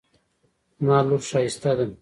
زما لور ښایسته ده